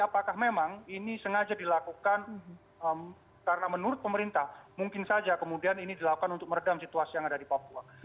apakah memang ini sengaja dilakukan karena menurut pemerintah mungkin saja kemudian ini dilakukan untuk meredam situasi yang ada di papua